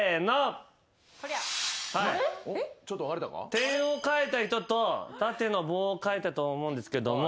点を書いた人と縦の棒を書いたと思うんですが。